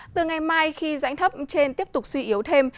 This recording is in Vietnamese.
từ ngày mai khi rãnh thấp trên tiếp tục suy yếu thêm